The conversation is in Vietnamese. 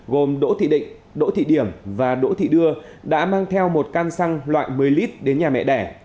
gồm đỗ thị định đỗ thị điểm và đỗ thị đưa đã mang theo một căn xăng loại một mươi lit đến nhà mẹ đẻ